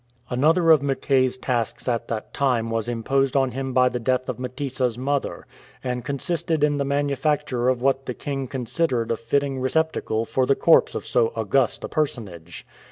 Another of Mackay's tasks at this time was imposed on him by the death of Mtesa's mother, and consisted in the manufacture of what the king considered a fitting recep tacle for the corpse of so august a personage.